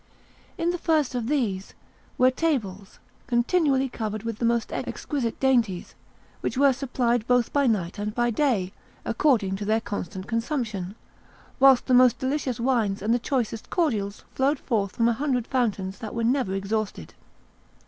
In the first of these were tables continually covered with the most exquisite dainties, which were supplied both by night and by day, according to their constant consumption, whilst the most delicious wines and the choicest cordials flowed forth from a hundred fountains that were never exhausted.